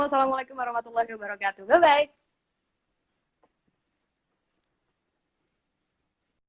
wassalamualaikum warahmatullahi wabarakatuh bye bye